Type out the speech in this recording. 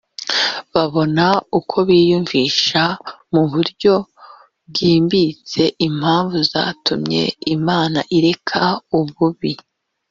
babona uko biyumvisha mu buryo bwimbitse impamvu zatumye imana ireka ububi